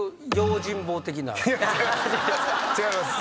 違います。